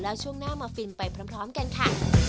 แล้วช่วงหน้ามาฟินไปพร้อมกันค่ะ